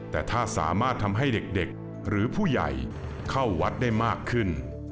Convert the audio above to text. แต่ถ้าสามารถทำให้เด็กหรือผู้ใหญ่เข้าวัดได้มากขึ้น